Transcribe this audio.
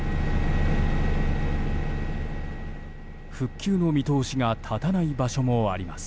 復旧の見通しが立たない場所もあります。